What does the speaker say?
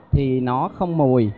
thì nó không mùi